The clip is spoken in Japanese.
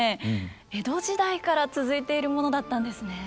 江戸時代から続いているものだったんですね。